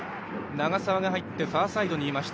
長沢が入ってファーサイドにいました。